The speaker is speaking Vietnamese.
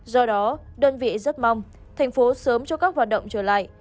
do đó đơn vị rất mong thành phố sớm cho các hoạt động trở lại